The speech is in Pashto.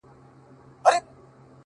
زه به هم داسي وكړم!